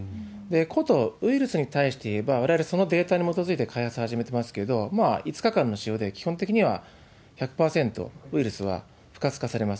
ことウイルスに対していえば、われわれ、そのデータに基づいて開発を始めていますけれども、５日間の使用で基本的には１００％ウイルスは不活化されます。